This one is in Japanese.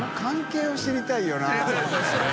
そうですよね。